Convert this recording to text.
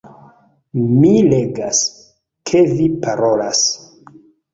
Mi legas, ke vi parolas